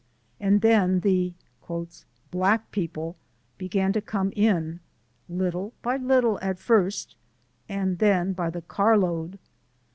And then the "black people" began to come in, little by little at first, and then by the carload.